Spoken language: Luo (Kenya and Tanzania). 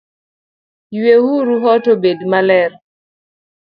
Yue uru ot obed maler